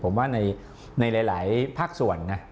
ผมว่าในหลายภาคส่วนนะ